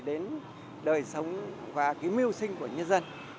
đến đời sống và cái mưu sinh của nhân dân